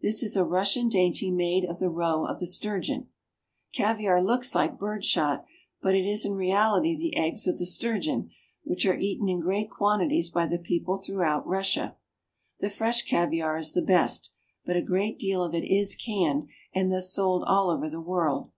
This is a Russian dainty made of the roe of the sturgeon. 346 RUSSIA. Caviar looks like bird shot, but it is in reality the eggs of the sturgeon, which are eaten in great quantities by the people throughout Russia. The fresh caviar is the best, but a great deal of it is canned, and thus sold all over the world.